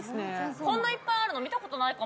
こんないっぱいあるの見たことないかも。